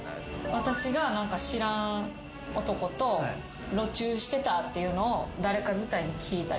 私が知らん男と路チューしてたっていうのを誰か伝いに聞いたり。